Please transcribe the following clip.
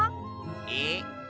えっ？